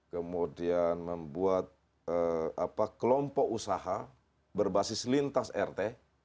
kemudian membuat kelompok usaha berbasis lintas rt